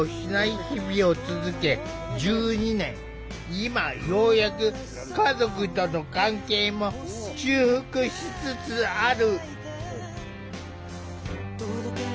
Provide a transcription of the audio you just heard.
今ようやく家族との関係も修復しつつある。